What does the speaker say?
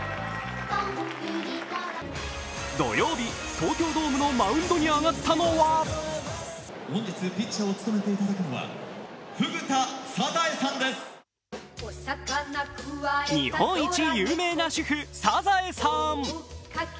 土曜日、東京ドームのマウンドに上がったのは日本一有名な主婦・サザエさん。